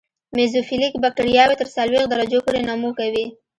میزوفیلیک بکټریاوې تر څلوېښت درجو پورې نمو کوي.